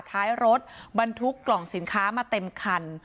ท้ายรถบรรทุกกล่องสินค้ามาเต็มคัน